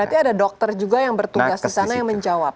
berarti ada dokter juga yang bertugas disana yang menjawab